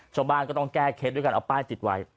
ชาวบ้านก็ต้องแก้เคล็ดด้วยการเอาป้ายติดไว้